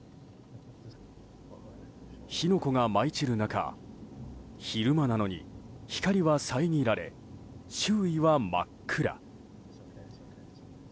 火の粉が舞い散る中昼間なのに光は遮られ周囲は真っ暗。